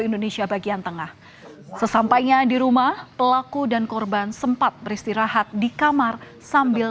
indonesia bagian tengah sesampainya di rumah pelaku dan korban sempat beristirahat di kamar sambil